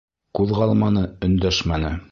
Ҡуҙғалманы, өндәшмәне.